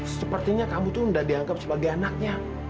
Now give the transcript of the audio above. sepertinya kamu itu tidak dianggap sebagai anaknya